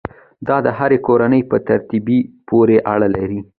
دا د هرې کورنۍ په تربیې پورې اړه لري.